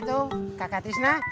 atuh nggak traditional fret ya